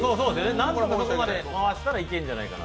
何とかそこまで回したらいけるんじゃないかな。